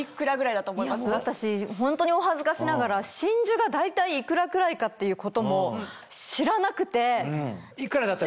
いやもう私ホントにお恥ずかしながら真珠が大体いくらくらいかっていうことも知らなくて。